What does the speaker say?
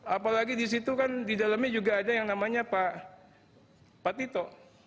apalagi di situ kan di dalamnya juga ada yang namanya pak tito